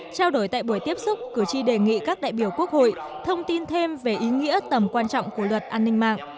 trao đổi tại buổi tiếp xúc cử tri đề nghị các đại biểu quốc hội thông tin thêm về ý nghĩa tầm quan trọng của luật an ninh mạng